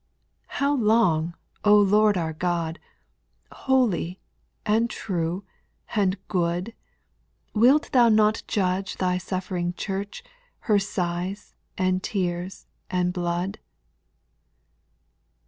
How long, O Lord our God, Holy, and true, and good. Wilt thou not judge thy suJBfering church, Her sighs, and tears, and blood